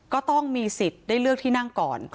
ก็ต้องมีสิทธิ์ได้เลือกที่นั่งก่อน